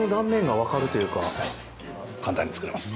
簡単に作れます。